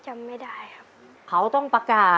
จิตตะสังวโรครับ